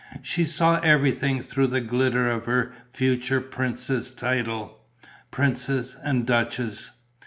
She saw everything through the glitter of her future princess' title. Princess and duchess!